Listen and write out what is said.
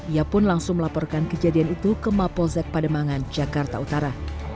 ia pun langsung melaporkan kejadian itu ke mapolsek pademangan jakarta utara